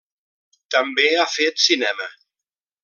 També ha fet cinema.